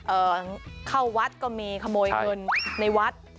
เอ่อเข้าวัดก็มีขโมยเงินในวัด